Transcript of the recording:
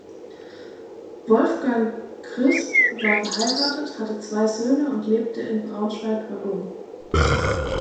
Wolfgang Grzyb war verheiratet, hatte zwei Söhne und lebte in Braunschweig-Waggum.